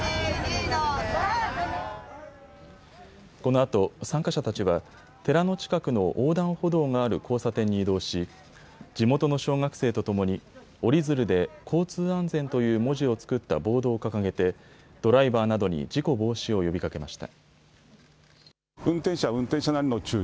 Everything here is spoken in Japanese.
このあと参加者たちは寺の近くの横断歩道がある交差点に移動し、地元の小学生とともに折り鶴で交通安全という文字を作ったボードを掲げてドライバーなどに事故防止を呼びかけました。